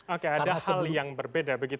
oke ada hal yang berbeda